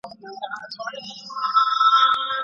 یو لارښود څو شاګردانو ته لارښوونه کولای سي؟